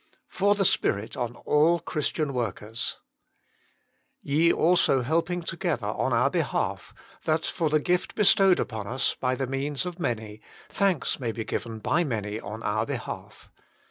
^fot iljt Spirit an all Christian tSStorlurs "Ye also helping together on our behalf; that for the gift bestowed upon us by means of many, thanks may be given by many on our behalf."